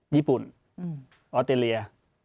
ญี่ปุ่นออสเตรเลีย